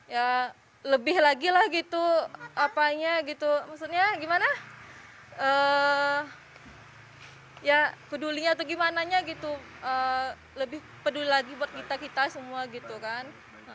ya lebih lagi lah gitu apanya gitu maksudnya gimana ya pedulinya atau gimananya gitu lebih peduli lagi buat kita kita semua gitu kan